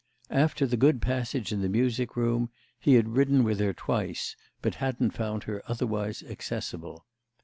After the good passage in the music room he had ridden with her twice, but hadn't found her otherwise accessible.